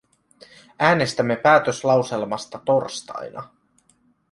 Äänestämme päätöslauselmasta torstaina.